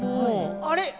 あれ？